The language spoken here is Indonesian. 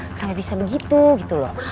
nggak bisa begitu gitu loh